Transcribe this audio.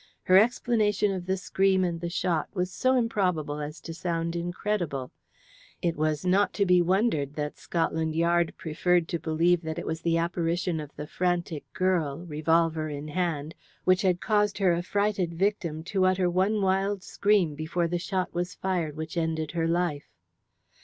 Her explanation of the scream and the shot was so improbable as to sound incredible. It was not to be wondered that Scotland Yard preferred to believe that it was the apparition of the frantic girl, revolver in hand, which had caused her affrighted victim to utter one wild scream before the shot was fired which ended her life.